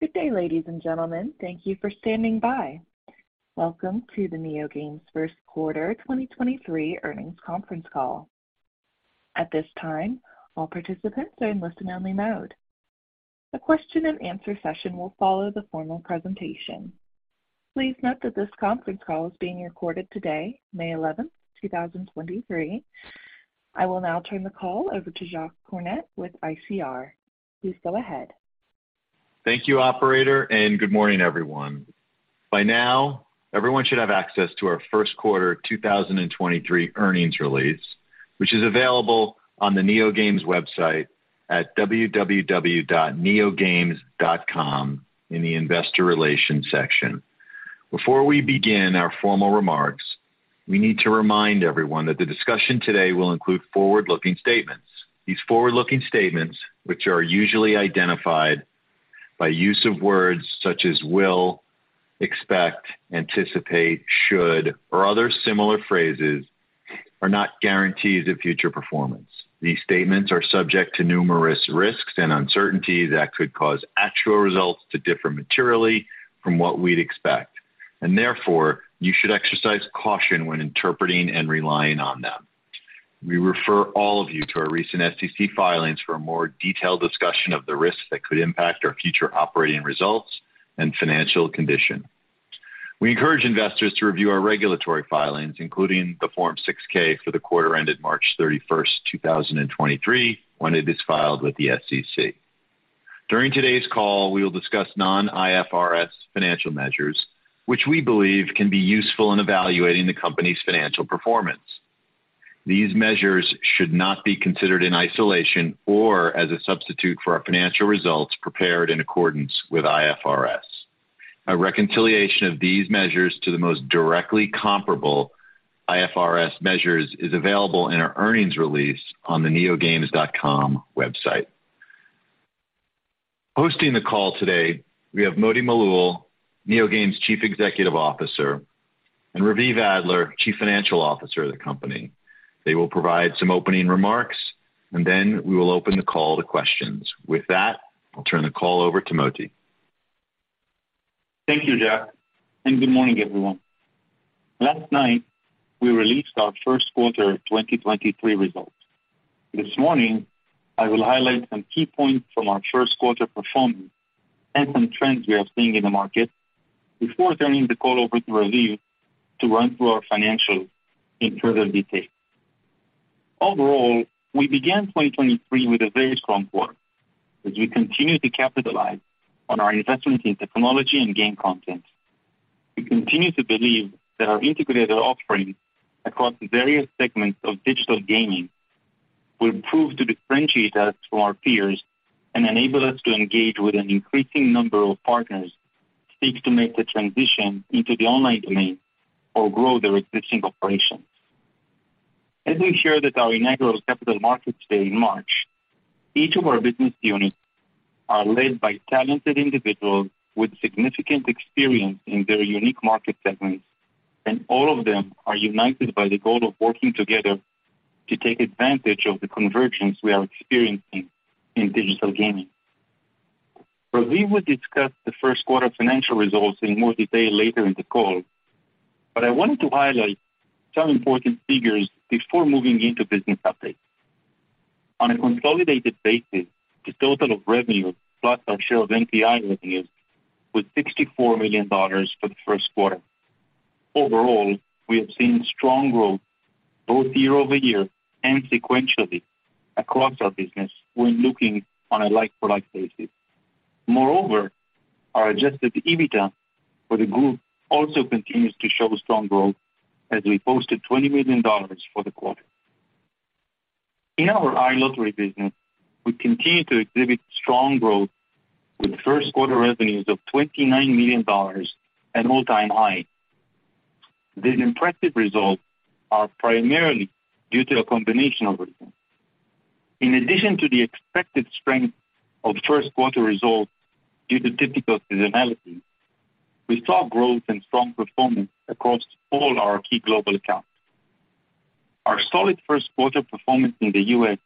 Good day, ladies and gentlemen. Thank you for standing by. Welcome to the NeoGames First Quarter 2023 Earnings Conference Call. At this time, all participants are in listen-only mode. A question and answer session will follow the formal presentation. Please note that this conference call is being recorded today, May 11, 2023. I will now turn the call over to Jack Cronin with ICR. Please go ahead. Thank you, operator, and good morning, everyone. By now, everyone should have access to our first quarter 2023 earnings release, which is available on the NeoGames website at www.neogames.com in the Investor Relations section. Before we begin our formal remarks, we need to remind everyone that the discussion today will include forward-looking statements. These forward-looking statements, which are usually identified by use of words such as will, expect, anticipate, should, or other similar phrases, are not guarantees of future performance. These statements are subject to numerous risks and uncertainties that could cause actual results to differ materially from what we'd expect, and therefore, you should exercise caution when interpreting and relying on them. We refer all of you to our recent SEC filings for a more detailed discussion of the risks that could impact our future operating results and financial condition. We encourage investors to review our regulatory filings, including the Form 6-K for the quarter ended March 31, 2023 when it is filed with the SEC. During today's call, we will discuss non-IFRS financial measures, which we believe can be useful in evaluating the company's financial performance. These measures should not be considered in isolation or as a substitute for our financial results prepared in accordance with IFRS. A reconciliation of these measures to the most directly comparable IFRS measures is available in our earnings release on the neogames.com website. Hosting the call today, we have Moti Malul, NeoGames Chief Executive Officer, and Raviv Adler, Chief Financial Officer of the company. They will provide some opening remarks, then we will open the call to questions. With that, I'll turn the call over to Moti. Thank you, Jack, and good morning, everyone. Last night, we released our first quarter of 2023 results. This morning, I will highlight some key points from our first quarter performance and some trends we are seeing in the market before turning the call over to Raviv to run through our financials in further detail. Overall, we began 2023 with a very strong quarter as we continue to capitalize on our investment in technology and game content. We continue to believe that our integrated offerings across various segments of digital gaming will prove to differentiate us from our peers and enable us to engage with an increasing number of partners seek to make the transition into the online domain or grow their existing operations. As we shared at our inaugural Capital Markets Day in March, each of our business units are led by talented individuals with significant experience in their unique market segments, all of them are united by the goal of working together to take advantage of the convergence we are experiencing in digital gaming. Raviv will discuss the first quarter financial results in more detail later in the call, I wanted to highlight some important figures before moving into business updates. On a consolidated basis, the total of revenue plus our share of NPI revenues was $64 million for the first quarter. We have seen strong growth both year-over-year and sequentially across our business when looking on a like-for-like basis. Our Adjusted EBITDA for the group also continues to show strong growth as we posted $20 million for the quarter. In our iLottery business, we continue to exhibit strong growth with first quarter revenues of $29 million at an all-time high. These impressive results are primarily due to a combination of reasons. In addition to the expected strength of first quarter results due to typical seasonality, we saw growth and strong performance across all our key global accounts. Our solid first quarter performance in the U.S.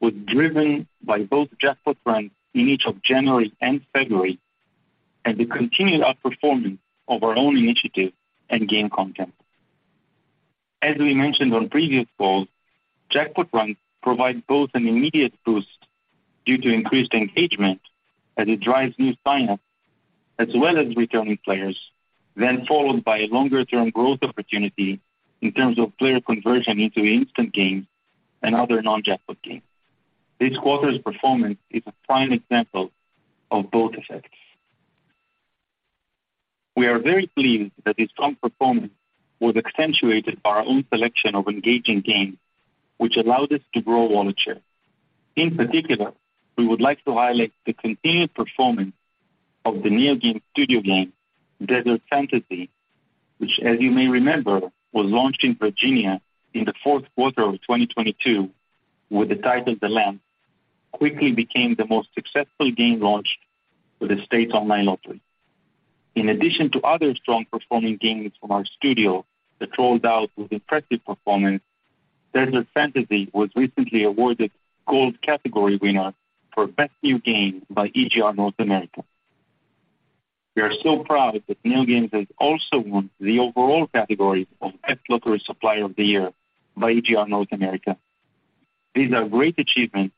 was driven by both jackpot runs in each of January and February, and the continued outperformance of our own initiatives and game content. As we mentioned on previous calls, jackpot runs provide both an immediate boost due to increased engagement as it drives new sign-ups as well as returning players, then followed by a longer-term growth opportunity in terms of player conversion into instant games and other non-jackpot games. This quarter's performance is a prime example of both effects. We are very pleased that this strong performance was accentuated by our own selection of engaging games, which allowed us to grow wallet share. In particular, we would like to highlight the continued performance of the NeoGames Studio game, Desert Fantasy, which as you may remember, was launched in Virginia in the fourth quarter of 2022 with the title The Lamp, quickly became the most successful game launch for the state's online lottery. In addition to other strong performing games from our studio that rolled out with impressive performance, Desert Fantasy was recently awarded Gold Category Winner for Best New Game by EGR North America. We are so proud that NeoGames has also won the overall category of Best Lottery Supplier of the Year by EGR North America. These are great achievements,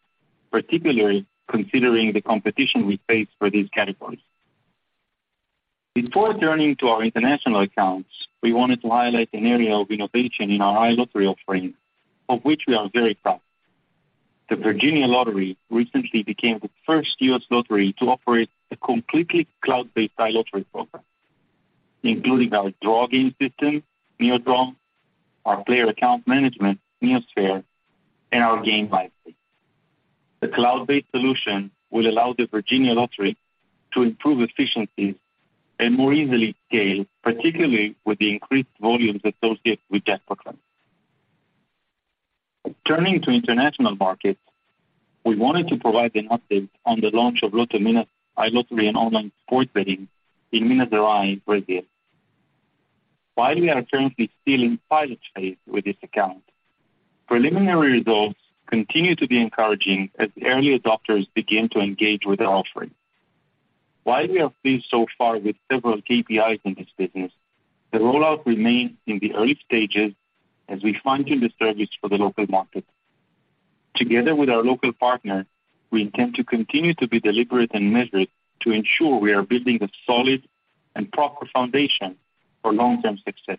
particularly considering the competition we face for these categories. Before turning to our international accounts, we wanted to highlight an area of innovation in our iLottery offering of which we are very proud. The Virginia Lottery recently became the first U.S. lottery to operate a completely cloud-based iLottery program, including our drawing system, NeoDraw, our player account management, NeoSphere, and our game life. The cloud-based solution will allow the Virginia Lottery to improve efficiencies and more easily scale, particularly with the increased volumes associated with jackpots. Turning to international markets, we wanted to provide an update on the launch of LotoMinas iLottery and online sports betting in Minas Gerais, Brazil. While we are currently still in pilot phase with this account, preliminary results continue to be encouraging as early adopters begin to engage with the offering. While we are pleased so far with several KPIs in this business, the rollout remains in the early stages as we fine-tune the service for the local market. Together with our local partners, we intend to continue to be deliberate and measured to ensure we are building a solid and proper foundation for long-term success,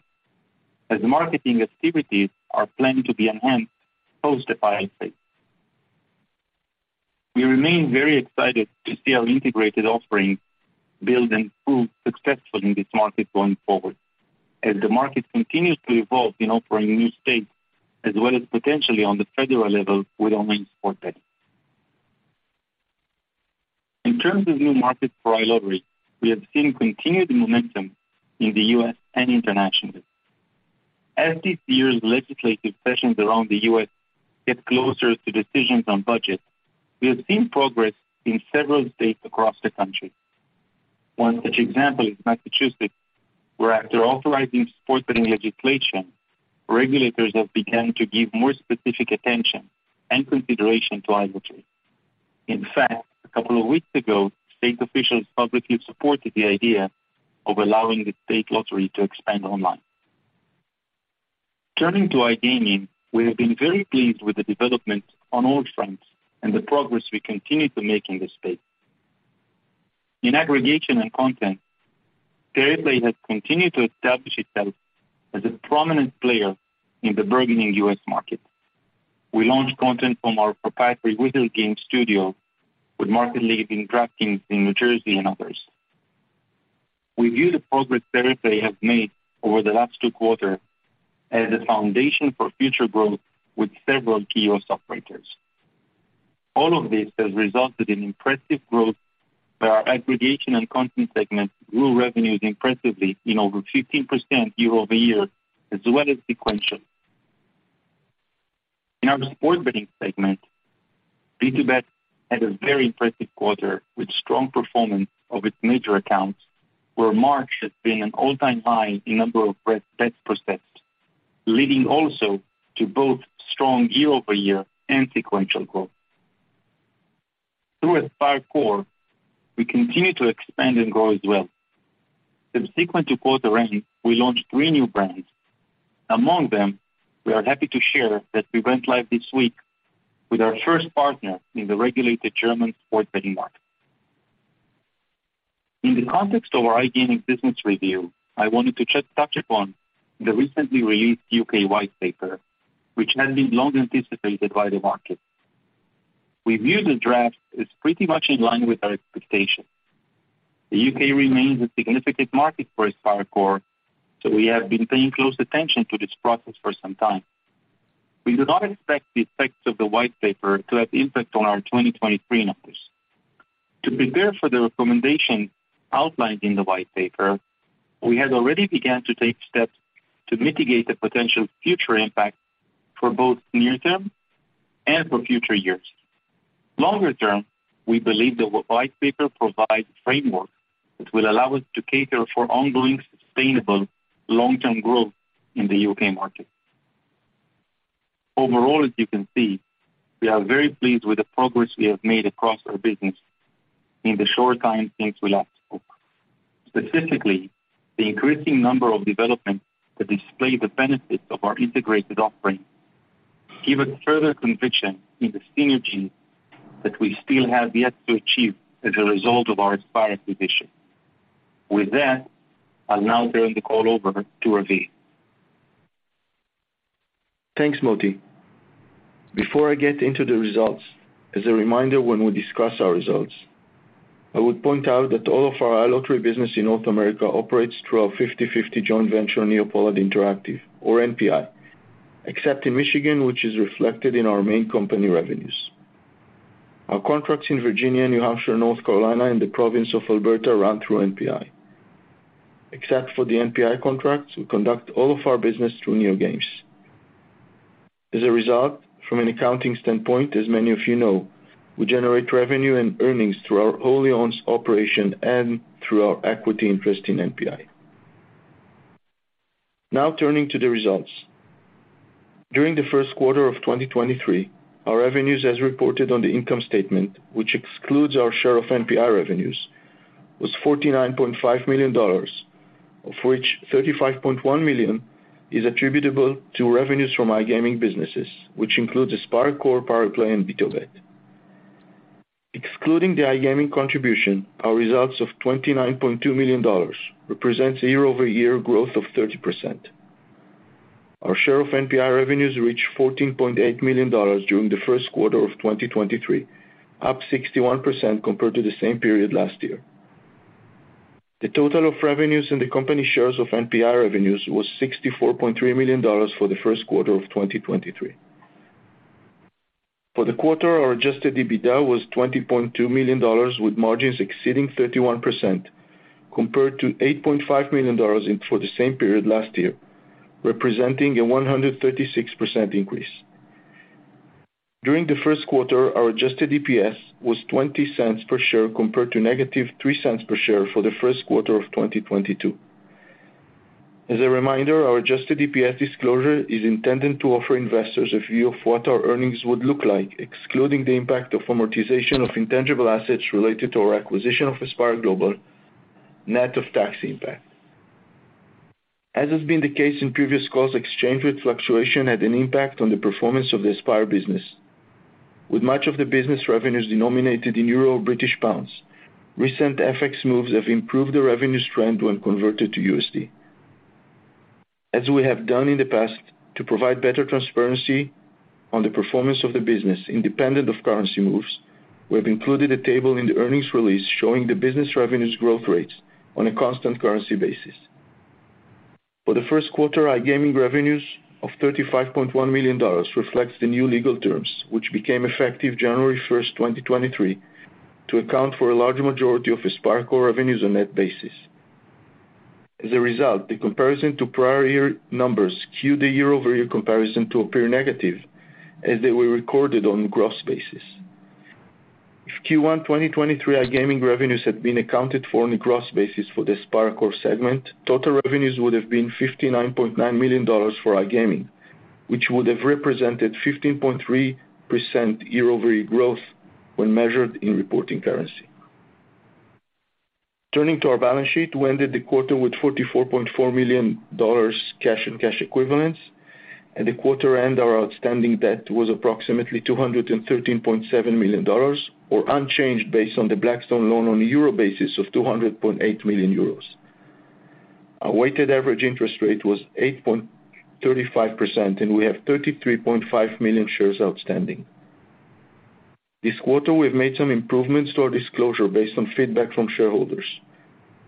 as marketing activities are planned to be enhanced post the pilot phase. We remain very excited to see our integrated offerings build and prove successful in this market going forward as the market continues to evolve in offering new states as well as potentially on the federal level with online sports betting. In terms of new markets for iLottery, we have seen continued momentum in the U.S. and internationally. As this year's legislative sessions around the U.S. get closer to decisions on budget, we have seen progress in several states across the country. One such example is Massachusetts, where after authorizing sports betting legislation, regulators have begun to give more specific attention and consideration to iLottery. In fact, a couple of weeks ago, state officials publicly supported the idea of allowing the state lottery to expand online. Turning to iGaming, we have been very pleased with the development on all fronts and the progress we continue to make in this space. In aggregation and content, Pariplay has continued to establish itself as a prominent player in the burgeoning U.S. market. We launched content from our proprietary Wizard Games studio with Market Leader in DraftKings in New Jersey and others. We view the progress Pariplay has made over the last two quarters as a foundation for future growth with several key U.S. operators. All of this has resulted in impressive growth where our aggregation and content segments grew revenues impressively in over 15% year-over-year as well as sequentially. In our sports betting segment, BtoBet had a very impressive quarter with strong performance of its major accounts, where March has been an all-time high in number of bets processed, leading also to both strong year-over-year and sequential growth. Through Aspire Core, we continue to expand and grow as well. Subsequent to quarter end, we launched three new brands. Among them, we are happy to share that we went live this week with our first partner in the regulated German sports betting market. In the context of our iGaming business review, I wanted to touch upon the recently released U.K. white paper, which has been long anticipated by the market. We view the draft as pretty much in line with our expectations. The U.K. remains a significant market for Aspire Core, we have been paying close attention to this process for some time. We do not expect the effects of the white paper to have impact on our 2023 numbers. To prepare for the recommendation outlined in the white paper, we have already began to take steps to mitigate the potential future impact for both near term and for future years. Longer term, we believe the white paper provides a framework which will allow us to cater for ongoing, sustainable long-term growth in the U.K. market. As you can see, we are very pleased with the progress we have made across our business in the short time since we last spoke. Specifically, the increasing number of developments that display the benefits of our integrated offering give us further conviction in the synergy that we still have yet to achieve as a result of our Aspire acquisition. With that, I'll now turn the call over to Raviv. Thanks, Moti. Before I get into the results, as a reminder when we discuss our results, I would point out that all of our iLottery business in North America operates through our 50/50 joint venture, NeoPollard Interactive, or NPI, except in Michigan, which is reflected in our main company revenues. Our contracts in Virginia, New Hampshire, North Carolina, and the province of Alberta run through NPI. Except for the NPI contracts, we conduct all of our business through NeoGames. As a result, from an accounting standpoint, as many of you know, we generate revenue and earnings through our wholly owned operation and through our equity interest in NPI. Turning to the results. During the first quarter of 2023, our revenues as reported on the income statement, which excludes our share of NPI revenues, was $49.5 million, of which $35.1 million is attributable to revenues from iGaming businesses, which includes Aspire Core, PowerPlay, and BtoBet. Excluding the iGaming contribution, our results of $29.2 million represents a year-over-year growth of 30%. Our share of NPI revenues reached $14.8 million during the first quarter of 2023, up 61% compared to the same period last year. The total of revenues in the company shares of NPI revenues was $64.3 million for the first quarter of 2023. For the quarter, our Adjusted EBITDA was $20.2 million, with margins exceeding 31%, compared to $8.5 million for the same period last year, representing a 136% increase. During the first quarter, our Adjusted EPS was $0.20 per share compared to -$0.03 per share for the first quarter of 2022. As a reminder, our Adjusted EPS disclosure is intended to offer investors a view of what our earnings would look like, excluding the impact of amortization of intangible assets related to our acquisition of Aspire Global, net of tax impact. As has been the case in previous calls, exchange rate fluctuation had an impact on the performance of the Aspire business. With much of the business revenues denominated in Euro or British pounds, recent FX moves have improved the revenue trend when converted to USD. As we have done in the past to provide better transparency on the performance of the business independent of currency moves, we have included a table in the earnings release showing the business revenues growth rates on a constant currency basis. For the first quarter, our gaming revenues of $35.1 million reflects the new legal terms, which became effective January 1, 2023, to account for a large majority of Aspire Core revenues on net basis. As a result, the comparison to prior year numbers skewed the year-over-year comparison to appear negative as they were recorded on gross basis. If Q1 2023 iGaming revenues had been accounted for on a gross basis for the Aspire Core segment, total revenues would have been $59.9 million for iGaming, which would have represented 15.3% year-over-year growth when measured in reporting currency. Turning to our balance sheet, we ended the quarter with $44.4 million cash and cash equivalents. At the quarter end, our outstanding debt was approximately $213.7 million or unchanged based on the Blackstone loan on a euro basis of 200.8 million euros. Our weighted average interest rate was 8.35%, and we have 33.5 million shares outstanding. This quarter, we've made some improvements to our disclosure based on feedback from shareholders.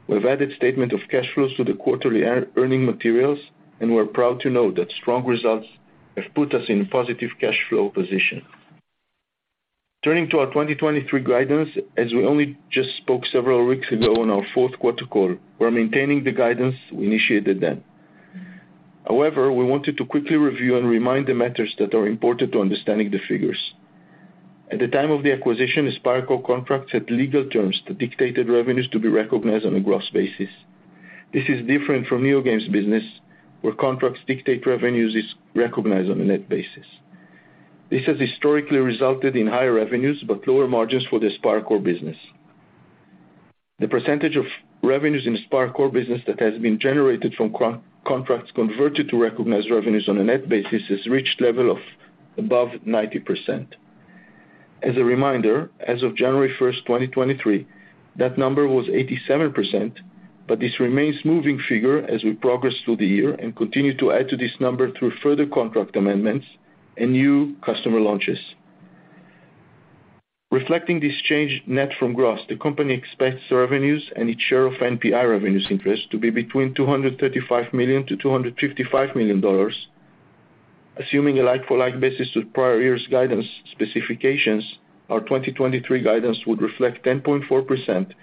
We've added statement of cash flows to the quarterly earning materials, and we're proud to note that strong results have put us in a positive cash flow position. Turning to our 2023 guidance, as we only just spoke several weeks ago on our fourth quarter call, we're maintaining the guidance we initiated then. We wanted to quickly review and remind the matters that are important to understanding the figures. At the time of the acquisition, Aspire Core contracts had legal terms that dictated revenues to be recognized on a gross basis. This is different from NeoGames business, where contracts dictate revenues is recognized on a net basis. This has historically resulted in higher revenues but lower margins for the Aspire Core business. The percentage of revenues in Aspire Core business that has been generated from contracts converted to recognize revenues on a net basis has reached level of above 90%. As a reminder, as of January 1st, 2023, that number was 87%, but this remains moving figure as we progress through the year and continue to add to this number through further contract amendments and new customer launches. Reflecting this change net from gross, the company expects the revenues and its share of NPI revenues interest to be between $235 million-$255 million. Assuming a like-for-like basis with prior year's guidance specifications, our 2023 guidance would reflect 10.4%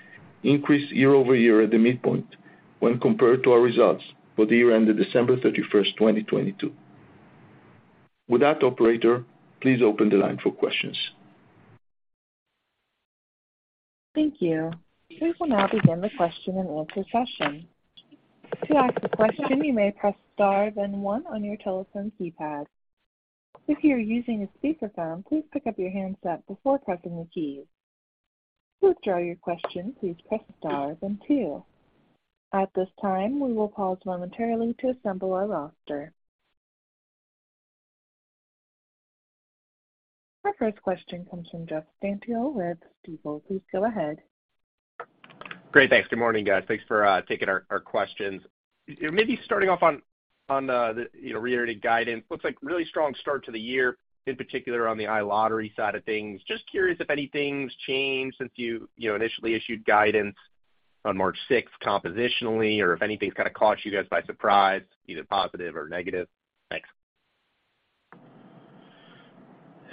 increase year-over-year at the midpoint when compared to our results for the year ended December 31st, 2022. With that, operator, please open the line for questions. Thank you. We will now begin the question and answer session. To ask a question, you may press star then one on your telephone keypad. If you are using a speakerphone, please pick up your handset before pressing the keys. To withdraw your question, please press star then two. At this time, we will pause momentarily to assemble our roster. Our first question comes from Jeffrey Stantial with Stifel. Please go ahead.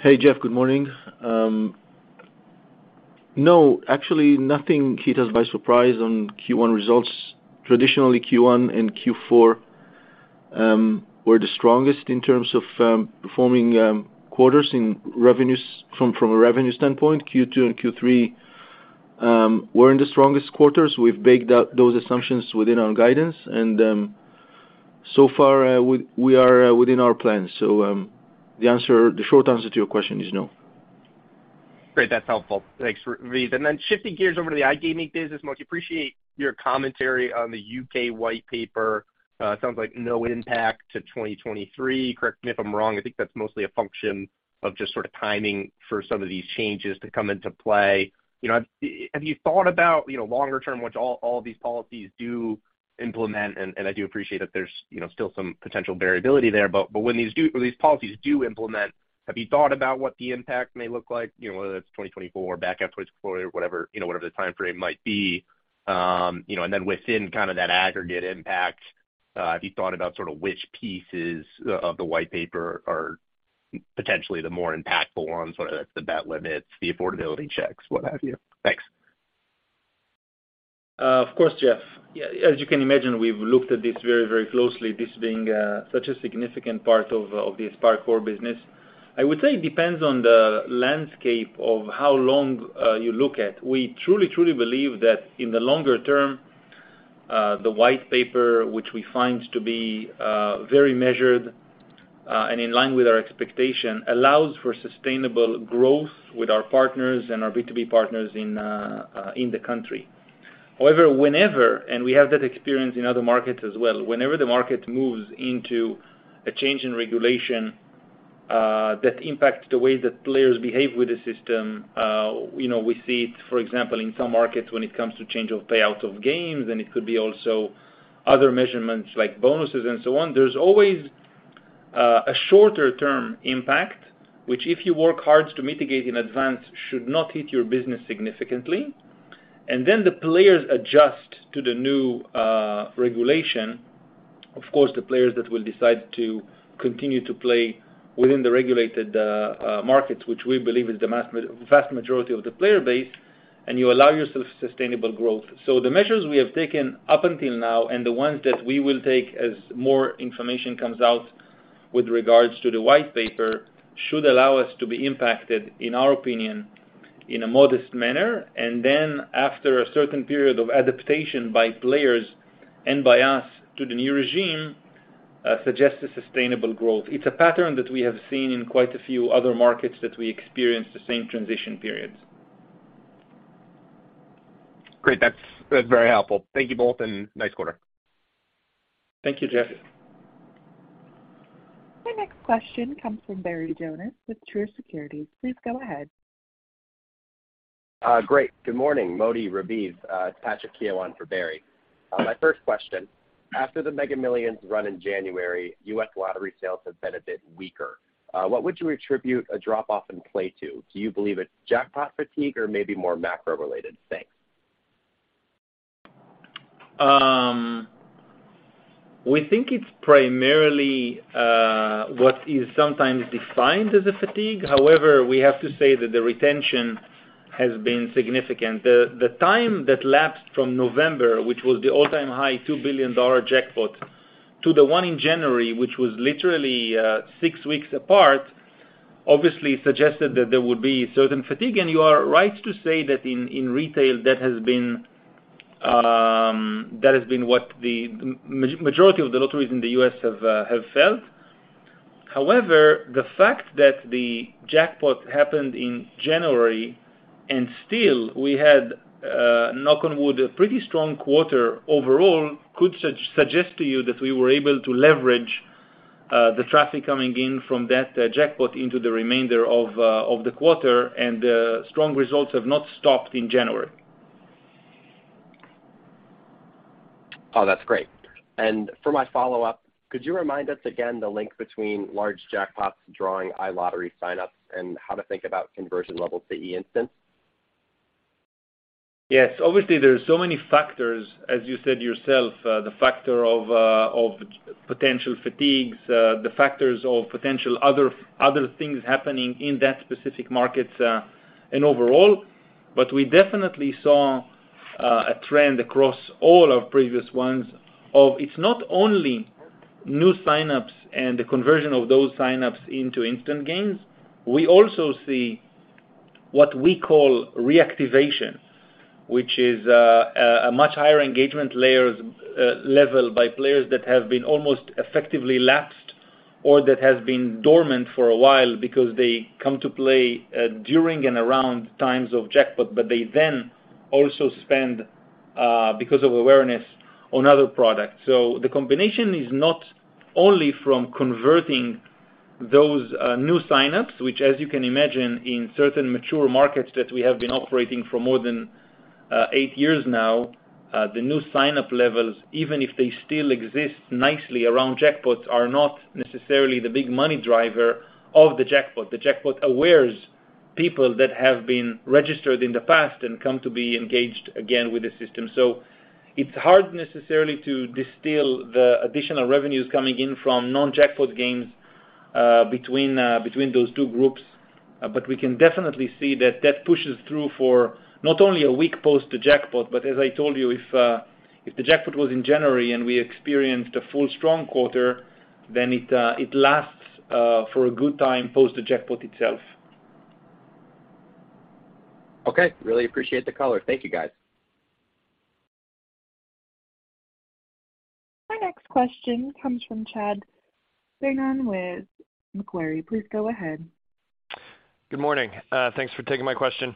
Hey, Jeff. Good morning. Actually nothing hit us by surprise on Q1 results. Traditionally, Q1 and Q4 were the strongest in terms of performing quarters in revenues from a revenue standpoint. Q2 and Q3 weren't the strongest quarters. We've baked out those assumptions within our guidance, and so far, we are within our plans. The short answer to your question is no. Great. That's helpful. Thanks, Raviv. Then shifting gears over to the iGaming business model, appreciate your commentary on the U.K. white paper. It sounds like no impact to 2023. Correct me if I'm wrong, I think that's mostly a function of just sort of timing for some of these changes to come into play. You know, have you thought about, you know, longer term, which all these policies do implement? I do appreciate that there's, you know, still some potential variability there. When these policies do implement, have you thought about what the impact may look like? You know, whether that's 2024 or back up to 2024 or whatever, you know, whatever the time frame might be. You know, within kind of that aggregate impact, have you thought about sort of which pieces of the white paper are potentially the more impactful ones, whether that's the bet limits, the affordability checks, what have you? Thanks. Of course, Jeff. Yeah, as you can imagine, we've looked at this very closely, this being such a significant part of the Aspire Core business. I would say it depends on the landscape of how long you look at. We truly believe that in the longer term, the white paper, which we find to be very measured and in line with our expectation, allows for sustainable growth with our partners and our B2B partners in the country. However, whenever, and we have that experience in other markets as well, whenever the market moves into a change in regulation, that impacts the way that players behave with the system, you know, we see it, for example, in some markets when it comes to change of payouts of games, and it could be also other measurements like bonuses and so on. There's always, a shorter-term impact, which if you work hard to mitigate in advance, should not hit your business significantly. Then the players adjust to the new regulation. Of course, the players that will decide to continue to play within the regulated markets, which we believe is the vast majority of the player base, and you allow yourself sustainable growth. The measures we have taken up until now and the ones that we will take as more information comes out with regards to the white paper, should allow us to be impacted, in our opinion, in a modest manner. After a certain period of adaptation by players and by us to the new regime, suggest a sustainable growth. It's a pattern that we have seen in quite a few other markets that we experience the same transition periods. Great. That's very helpful. Thank you both. Nice quarter. Thank you, Jeff. Our next question comes from Barry Jonas with Truist Securities. Please go ahead. Great. Good morning, Moti, Raviv. It's Patrick Keough for Barry. My first question, after the Mega Millions run in January, U.S. lottery sales have been a bit weaker. What would you attribute a drop-off in play to? Do you believe it's jackpot fatigue or maybe more macro-related? Thanks. We think it's primarily what is sometimes defined as a fatigue. However, we have to say that the retention has been significant. The time that lapsed from November, which was the all-time high $2 billion jackpot, to the one in January, which was literally six weeks apart, obviously suggested that there would be certain fatigue. You are right to say that in retail, that has been what the majority of the lotteries in the U.S. have felt. However, the fact that the jackpot happened in January and still we had, knock on wood, a pretty strong quarter overall, could suggest to you that we were able to leverage the traffic coming in from that jackpot into the remainder of the quarter, and the strong results have not stopped in January. Oh, that's great. For my follow-up, could you remind us again the link between large jackpots drawing iLottery signups, and how to think about conversion levels to instant? Yes. Obviously, there are so many factors, as you said yourself, the factor of potential fatigues, the factors of potential other things happening in that specific markets, and overall. We definitely saw a trend across all our previous ones of it's not only new signups and the conversion of those signups into instant games. We also see what we call reactivation, which is a much higher engagement level by players that have been almost effectively lapsed or that has been dormant for a while because they come to play during and around times of jackpot, but they then also spend because of awareness on other products. The combination is not only from converting those new signups, which, as you can imagine, in certain mature markets that we have been operating for more than eight years now, the new signup levels, even if they still exist nicely around jackpots, are not necessarily the big money driver of the jackpot. The jackpot awares people that have been registered in the past and come to be engaged again with the system. It's hard necessarily to distill the additional revenues coming in from non-jackpot games, between those two groups. We can definitely see that that pushes through for not only a week post the jackpot, but as I told you, if the jackpot was in January and we experienced a full strong quarter, then it lasts for a good time post the jackpot itself. Okay. Really appreciate the color. Thank you, guys. My next question comes from Chad Beynon with Macquarie. Please go ahead. Good morning. Thanks for taking my question.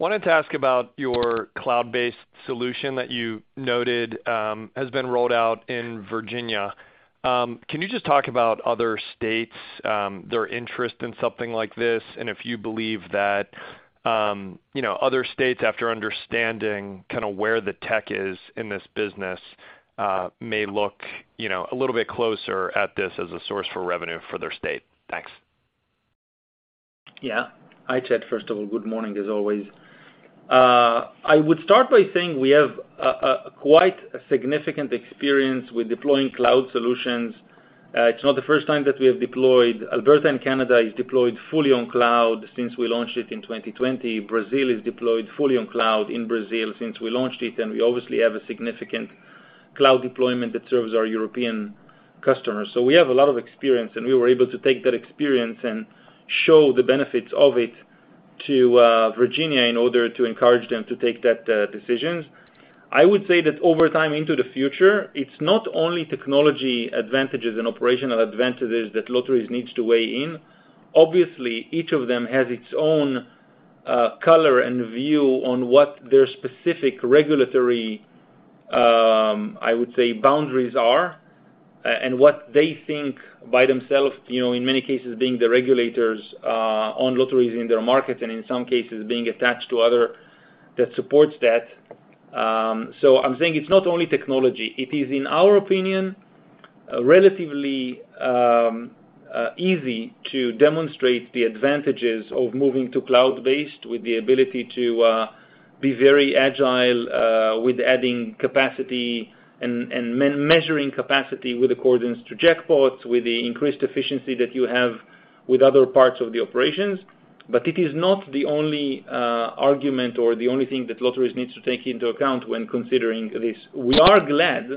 Wanted to ask about your cloud-based solution that you noted, has been rolled out in Virginia. Can you just talk about other states, their interest in something like this, and if you believe that, you know, other states after understanding kinda where the tech is in this business, may look, you know, a little bit closer at this as a source for revenue for their state? Thanks. Hi, Chad. First of all, good morning as always. I would start by saying we have a quite significant experience with deploying cloud solutions. It's not the first time that we have deployed. Alberta in Canada is deployed fully on cloud since we launched it in 2020. Brazil is deployed fully on cloud in Brazil since we launched it, and we obviously have a significant cloud deployment that serves our European customers. We have a lot of experience, and we were able to take that experience and show the benefits of it to Virginia in order to encourage them to take that decisions. I would say that over time into the future, it's not only technology advantages and operational advantages that Lotteries needs to weigh in. Obviously, each of them has its own color and view on what their specific regulatory, I would say, boundaries are, and what they think by themselves, you know, in many cases, being the regulators on lotteries in their markets, and in some cases, being attached to other that supports that. I'm saying it's not only technology. It is, in our opinion, relatively easy to demonstrate the advantages of moving to cloud-based with the ability to be very agile with adding capacity and measuring capacity with accordance to jackpots, with the increased efficiency that you have with other parts of the operations. It is not the only argument or the only thing that lotteries needs to take into account when considering this. We are glad,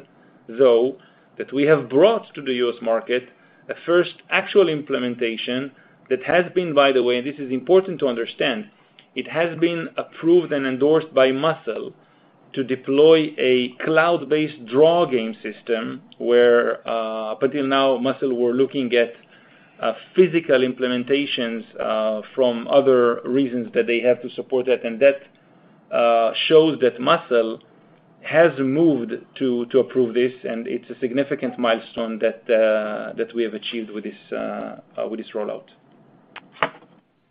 though, that we have brought to the U.S. market a first actual implementation that has been, by the way, and this is important to understand, it has been approved and endorsed by MUSL to deploy a cloud-based draw game system where up until now, MUSL were looking at physical implementations from other reasons that they have to support that. That shows that MUSL has moved to approve this, and it's a significant milestone that we have achieved with this rollout.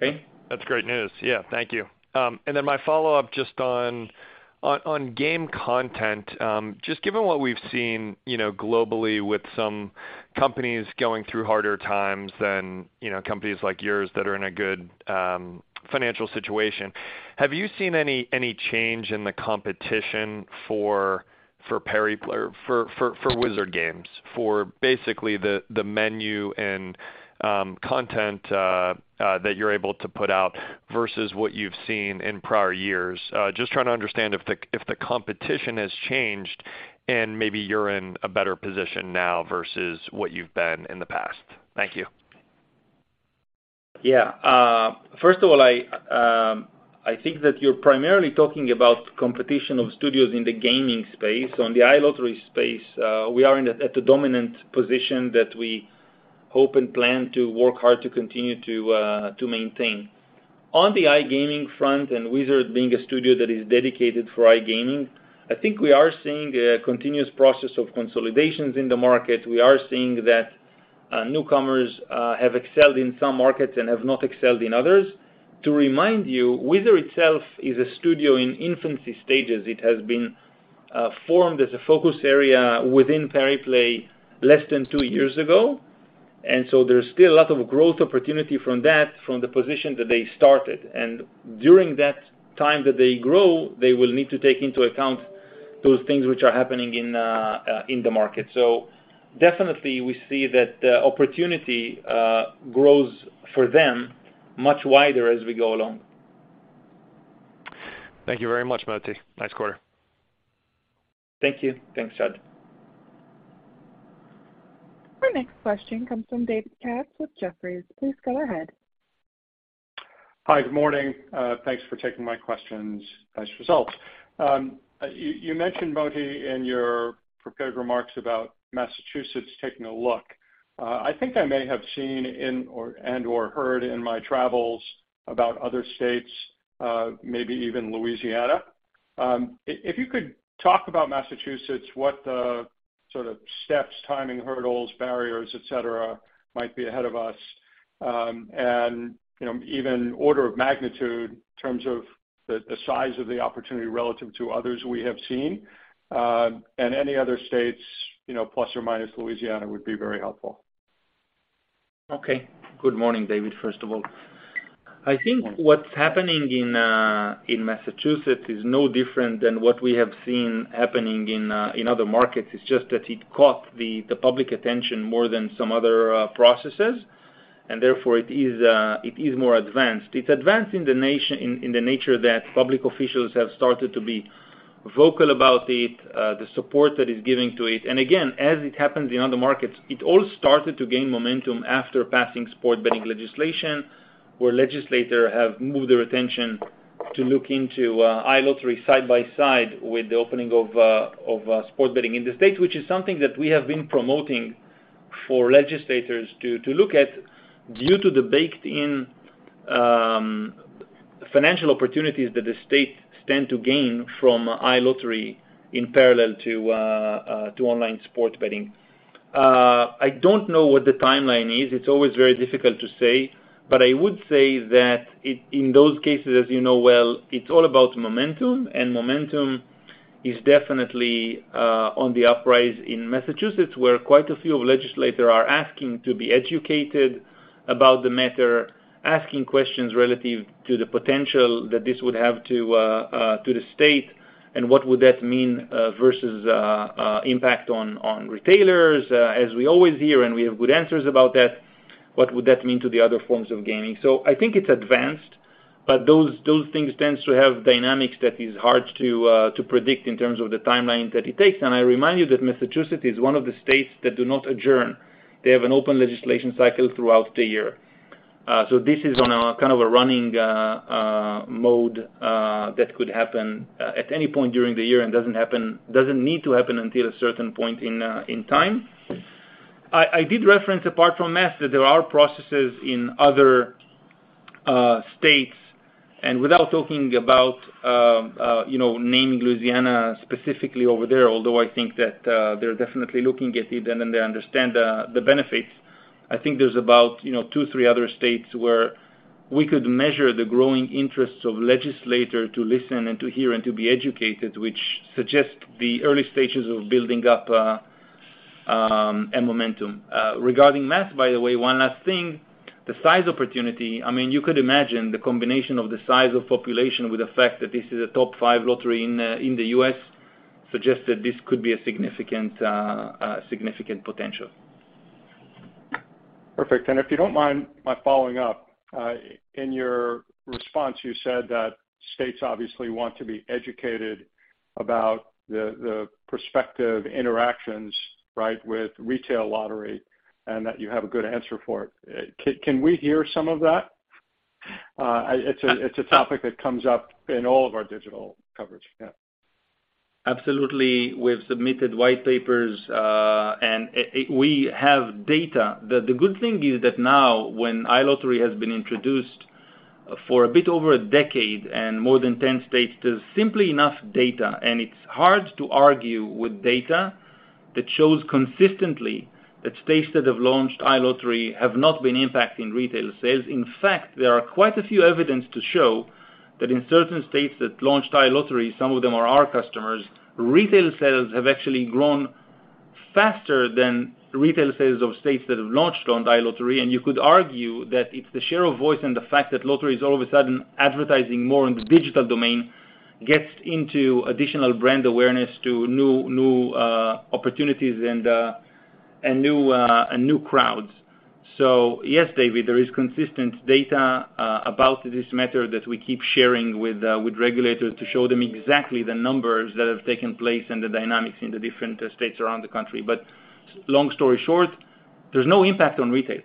Okay. That's great news. Yeah. Thank you. My follow-up just on game content, just given what we've seen, you know, globally with some companies going through harder times than, you know, companies like yours that are in a good financial situation, have you seen any change in the competition for Pariplay, or for Wizard Games? For basically the menu and content that you're able to put out versus what you've seen in prior years. Just trying to understand if the competition has changed, and maybe you're in a better position now versus what you've been in the past. Thank you. Yeah. First of all, I think that you're primarily talking about competition of studios in the gaming space. On the iLottery space, we are at a dominant position that we hope and plan to work hard to continue to maintain. On the iGaming front, Wizard being a studio that is dedicated for iGaming, I think we are seeing a continuous process of consolidations in the market. We are seeing that newcomers have excelled in some markets and have not excelled in others. To remind you, Wizard itself is a studio in infancy stages. It has been formed as a focus area within Pariplay less than two years ago. There's still a lot of growth opportunity from that, from the position that they started. During that time that they grow, they will need to take into account those things which are happening in the market. Definitely we see that the opportunity grows for them much wider as we go along. Thank you very much, Moti. Nice quarter. Thank you. Thanks, Chad. Our next question comes from David Katz with Jefferies. Please go ahead. Hi. Good morning. Thanks for taking my questions. Nice results. You mentioned, Moti, in your prepared remarks about Massachusetts taking a look. I think I may have seen in or, and/or heard in my travels about other states, maybe even Louisiana. If you could talk about Massachusetts, what the sort of steps, timing, hurdles, barriers, et cetera, might be ahead of us, and, you know, even order of magnitude in terms of the size of the opportunity relative to others we have seen, and any other states, you know, + or - Louisiana, would be very helpful. Okay. Good morning, David, first of all. I think what's happening in Massachusetts is no different than what we have seen happening in other markets. It's just that it caught the public attention more than some other processes, and therefore it is more advanced. It's advanced in the nature that public officials have started to be vocal about it, the support that is giving to it. Again, as it happens in other markets, it all started to gain momentum after passing sports betting legislation, where legislators have moved their attention to look into iLottery side by side with the opening of sports betting in the state, which is something that we have been promoting for legislators to look at due to the baked in financial opportunities that the state stand to gain from iLottery in parallel to online sports betting. I don't know what the timeline is. It's always very difficult to say, but I would say that in those cases, as you know well, it's all about momentum, and momentum is definitely on the uprise in Massachusetts, where quite a few legislator are asking to be educated about the matter, asking questions relative to the potential that this would have to the state and what would that mean versus impact on retailers, as we always hear, and we have good answers about that. What would that mean to the other forms of gaming? I think it's advanced, but those things tends to have dynamics that is hard to predict in terms of the timeline that it takes. I remind you that Massachusetts is one of the states that do not adjourn. They have an open legislation cycle throughout the year. This is on a kind of a running mode that could happen at any point during the year and doesn't need to happen until a certain point in time. I did reference apart from Mass that there are processes in other states and without talking about, you know, naming Louisiana specifically over there, although I think that they're definitely looking at it and they understand the benefits. I think there's about, you know, two, three other states where we could measure the growing interests of legislator to listen and to hear and to be educated, which suggests the early stages of building up a momentum. Regarding Mass, by the way, one last thing, the size opportunity, I mean, you could imagine the combination of the size of population with the fact that this is a top five lottery in the U.S. suggests that this could be a significant potential. Perfect. If you don't mind my following up, in your response, you said that states obviously want to be educated about the prospective interactions, right, with retail lottery, and that you have a good answer for it. Can we hear some of that? It's a topic that comes up in all of our digital coverage. Yeah. Absolutely. We've submitted white papers, we have data. The good thing is that now when iLottery has been introduced for a bit over a decade and more than 10 states, there's simply enough data, and it's hard to argue with data that shows consistently that states that have launched iLottery have not been impacting retail sales. In fact, there are quite a few evidence to show that in certain states that launched iLottery, some of them are our customers, retail sales have actually grown faster than retail sales of states that have launched on iLottery. You could argue that it's the share of voice and the fact that lottery is all of a sudden advertising more in the digital domain gets into additional brand awareness to new opportunities and new crowds. Yes, David, there is consistent data about this matter that we keep sharing with regulators to show them exactly the numbers that have taken place and the dynamics in the different states around the country. Long story short, there's no impact on retail.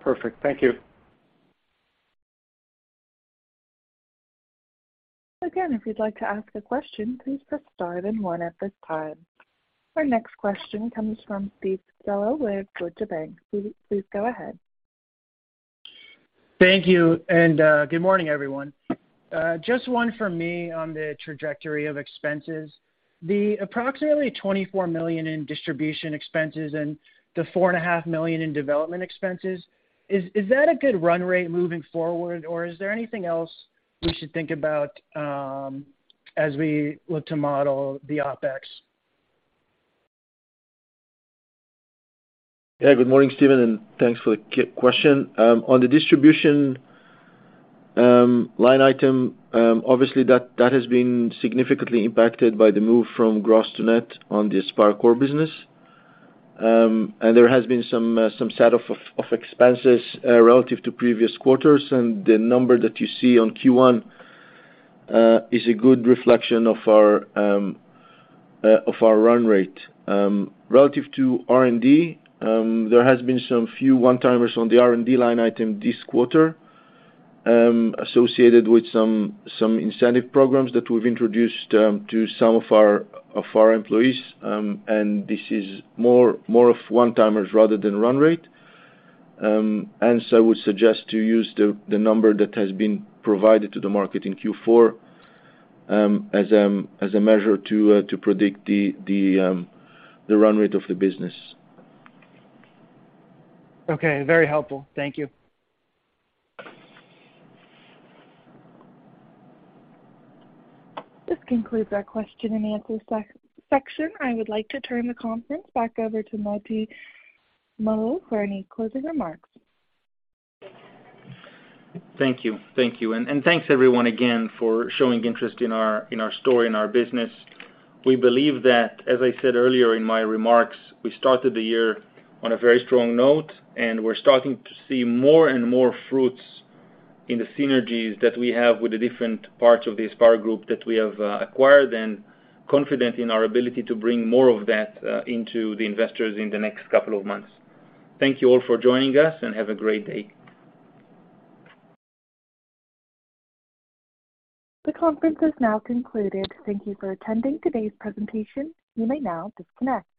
Perfect. Thank you. Again, if you'd like to ask a question, please press star then one at this time. Our next question comes from Steve Pizzella with Deutsche Bank. Please go ahead. Thank you, good morning, everyone. Just one for me on the trajectory of expenses. The approximately $24 million in distribution expenses and the $4.5 million in development expenses, is that a good run rate moving forward, or is there anything else we should think about, as we look to model the OpEx? Yeah, good morning, Steve, and thanks for the question. On the distribution line item, obviously that has been significantly impacted by the move from gross to net on the Aspire Core business. And there has been some set of expenses relative to previous quarters, and the number that you see on Q1 is a good reflection of our run rate. Relative to R&D, there has been some few one-timers on the R&D line item this quarter, associated with some incentive programs that we've introduced to some of our employees, and this is more, more of one-timers rather than run rate. I would suggest to use the number that has been provided to the market in Q4, as a measure to predict the run rate of the business. Okay. Very helpful. Thank you. This concludes our question and answer section. I would like to turn the conference back over to Moti Malul for any closing remarks. Thank you. Thank you. Thanks everyone again for showing interest in our, in our story and our business. We believe that, as I said earlier in my remarks, we started the year on a very strong note, and we're starting to see more and more fruits in the synergies that we have with the different parts of the Aspire group that we have acquired and confident in our ability to bring more of that into the investors in the next couple of months. Thank you all for joining us, have a great day. The conference is now concluded. Thank you for attending today's presentation. You may now disconnect.